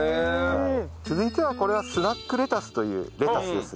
続いてはこれはスナックレタスというレタスです。